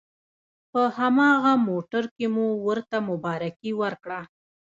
په هماغه موټر کې مو ورته مبارکي ورکړه.